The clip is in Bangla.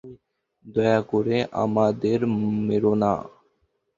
দয়া করে আমাদের মেরো না।